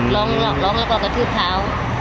ร้องร้องแล้วก็กระทืบเท้า